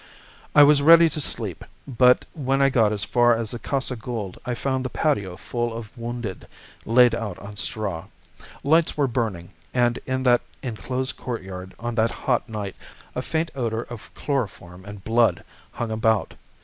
I was ready to sleep, but when I got as far as the Casa Gould I found the patio full of wounded laid out on straw. Lights were burning, and in that enclosed courtyard on that hot night a faint odour of chloroform and blood hung about.